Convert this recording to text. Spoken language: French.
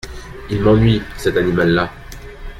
Il m’ennuie, cet animal-là !